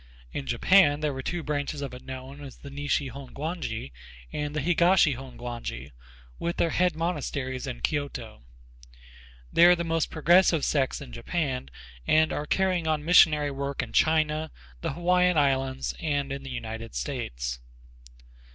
In Japan there are two branches of it known as the Nishi Hongwanji and the Higashi Hongwanji with their head monasteries in Kyoto. They are the most progressive sects in Japan and are carrying on missionary work in China, the Hawaiian Islands and in the United States.